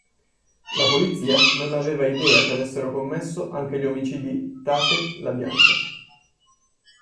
La polizia non aveva idea che avessero commesso anche gli omicidi Tate-LaBianca.